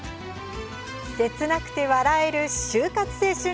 切なくて笑える終活青春